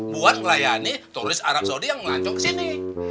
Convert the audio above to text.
buat ngelayani turis arab saudi yang melancong kesini